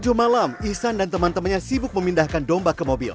jumat malam ihsan dan teman temannya sibuk memindahkan domba ke mobil